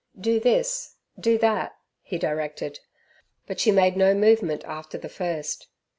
Do this; do that, he directed, but she made no movement after the first.